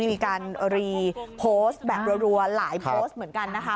มีการรีโพสต์แบบรัวหลายโพสต์เหมือนกันนะคะ